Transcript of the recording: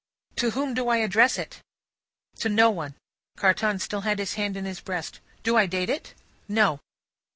"To whom do I address it?" "To no one." Carton still had his hand in his breast. "Do I date it?" "No."